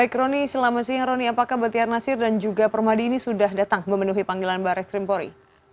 baik rony selamat siang rony apakah bahtiar nasir dan juga permadi ini sudah datang memenuhi panggilan baris krim polri